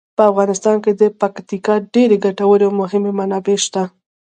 په افغانستان کې د پکتیکا ډیرې ګټورې او مهمې منابع شته.